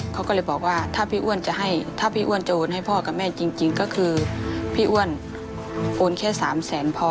เขาก็เลยบอกว่าถ้าพี่อ้วนจะให้ถ้าพี่อ้วนจะโอนให้พ่อกับแม่จริงก็คือพี่อ้วนโอนแค่๓แสนพ่อ